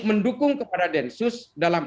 mendukung kepada densus dalam